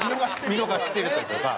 見逃してるとかが。